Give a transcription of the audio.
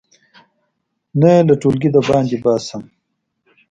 نه یې له ټولګي د باندې باسم.